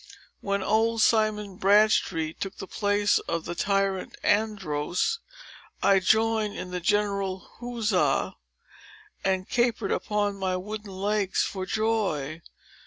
When old Simon Bradstreet took the place of the tyrant Andros, I joined in the general huzza, and capered upon my wooden legs, for joy.